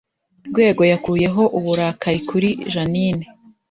Rwego yakuyeho uburakari kuri Jeaninne